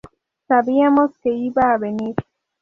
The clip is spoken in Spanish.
Sabíamos que iba a venir.